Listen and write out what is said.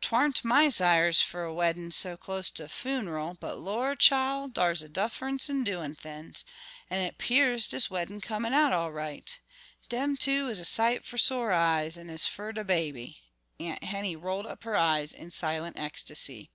"'Twarn't my 'sires fer a weddin' so close to a fun'ral, but Lor', chile, dars a diffurunce in doin' things, an' it 'pears dis weddin's comin' out all right. Dem two is a sight fer sore eyes, an' as fer de baby"–Aunt Henny rolled up her eyes in silent ecstasy.